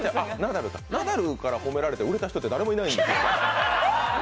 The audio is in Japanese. ナダルから褒められて売れた人って誰もいないんです。